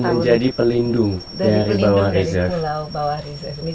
dan menjadi pelindung dari pulau bawah reserve